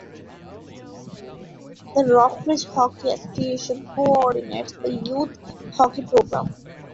The Rock Ridge Hockey Association coordinates the youth hockey program.